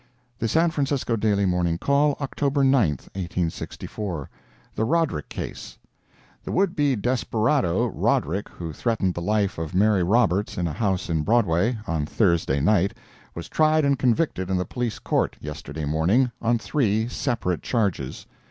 The San Francisco Daily Morning Call, October 9, 1864 THE RODERICK CASE The would be desperado, Roderick, who threatened the life of Mary Roberts, in a house in Broadway, on Thursday night, was tried and convicted in the Police Court, yesterday morning, on three Separate charges.